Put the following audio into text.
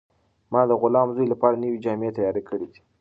ما د غلام د زوی لپاره نوې جامې تیارې کړې دي.